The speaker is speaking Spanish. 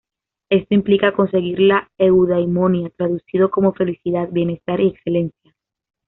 Esto implica conseguir la Eudaimonia, traducido como "felicidad", "bienestar "y "excelencia".